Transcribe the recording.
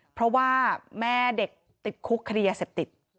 เพราะว่าแม่เด็กติดคุกคดียาเสพติด